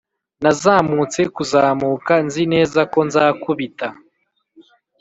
nazamutse kuzamuka, nzi neza ko nzakubita